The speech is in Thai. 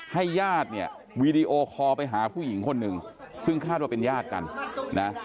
ให้ญาติวิดีโอคอล์ไปหาผู้หญิงคนหนึ่งซึ่งคาดว่าเป็นญาติกัน